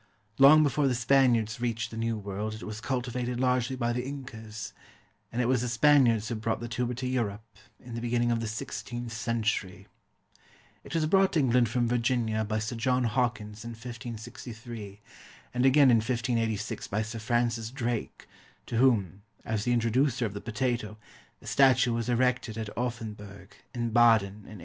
Long before the Spaniards reached the New World it was cultivated largely by the Incas; and it was the Spaniards who brought the tuber to Europe, in the beginning of the sixteenth century. It was brought to England from Virginia by Sir John Hawkins in 1563; and again in 1586 by Sir Francis Drake, to whom, as the introducer of the potato, a statue was erected at Offenburg, in Baden, in 1853.